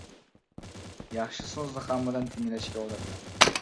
— Yaxshi so‘zni hammadan tinglashga odatlan.